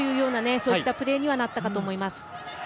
そういったプレーにはなったかと思います。